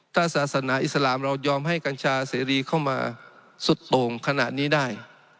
ถ้าศาสนาอิสลามเรายอมให้กัญชาเสรีเข้ามาสุดโต่งขนาดนี้ได้